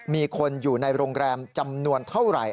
มีคนอยู่ในโรงแรมจำนวนเท่าไหร่